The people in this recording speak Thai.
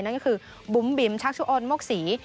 นั่นก็คือบุ๋มบิ๋มชักชุอนโมกศรี